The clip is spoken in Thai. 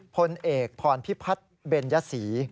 พลเอกพรพิภาคเบนยศรี